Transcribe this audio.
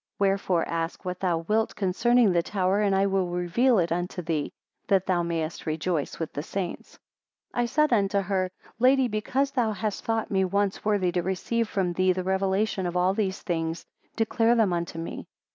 Wherefore ask what thou wilt concerning the tower, and I will reveal it unto thee, that thou mayest rejoice with the saints. 39 I said unto her, Lady, because thou hast thought me once worthy to receive from thee the revelation of all these things, declare them unto me.